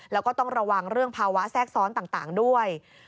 แล้วก็ต้องระวังเรื่องภาวะแทรกซ้อนต่างด้วย